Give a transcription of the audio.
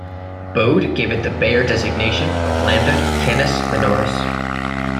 Bode gave it the Bayer designation of Lambda Canis Minoris.